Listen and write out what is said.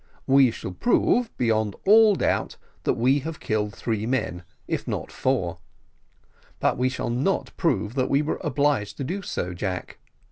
"We shall prove, beyond all doubt, that we have killed three men, if not four; but we shall not prove that we were obliged so to do, Jack.